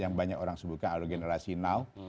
yang banyak orang sebutkan adalah generasi now